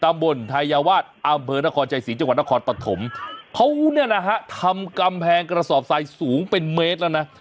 บนทายาวาสอำเภอนครชัยศรีจังหวัดนครปฐมเขาเนี่ยนะฮะทำกำแพงกระสอบทรายสูงเป็นเมตรแล้วนะ